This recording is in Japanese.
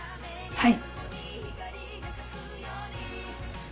はい。